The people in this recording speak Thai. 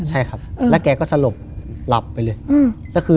ใช่ครับแล้วแกก็สลบหลับไปเลย